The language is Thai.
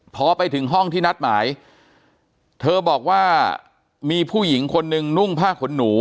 พอไปถึงห้องที่นัดหมายเธอบอกว่ามีผู้หญิงคนนึงนุ่งผ้าขนหนู